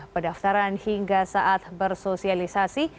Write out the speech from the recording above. pendaftaran hingga saat bersosialisasi